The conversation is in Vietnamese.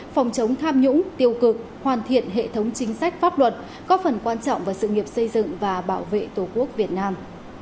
phòng chống tham nhũng tiêu cực hoàn thiện hệ thống chính sách pháp luật có phần quan trọng vào sự nghiệp xây dựng và bảo vệ tổ quốc việt nam